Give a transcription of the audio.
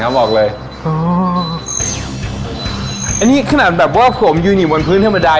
บอกเลยอ๋ออันนี้ขนาดแบบว่าผมยืนอยู่บนพื้นธรรมดา